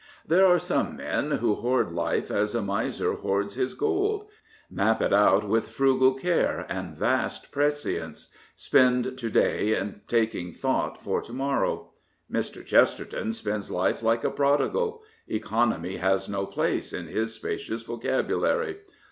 There are some men who hoard life as a miser hoards his gold — ^map it out with frugal care and vast prescience, spend to day in taking thought for to morrow. Mr. Chesterton spends life like a prodigal. Economy has no place in his spacious vocabulary.